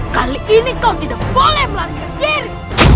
kali ini kau tidak boleh melarikan diri